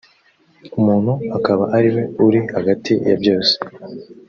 umuntu akaba ari we uri hagati ya byose